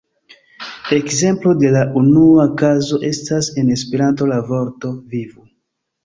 Ekzemplo de la unua kazo estas en Esperanto la vorto "vivu!